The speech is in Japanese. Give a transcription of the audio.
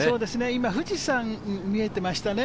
今、富士山が見えてましたね。